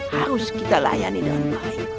harus kita layani dengan baik